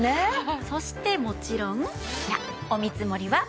そしてもちろんこちら。